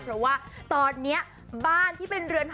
เพราะว่าตอนนี้บ้านที่เป็นเรือนหอ